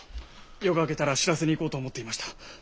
夜が明けたら知らせに行こうと思っていました。